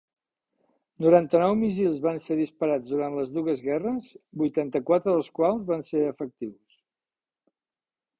Noranta-nou míssils van ser disparats durant les dues guerres, vuitanta-quatre dels quals van ser efectius.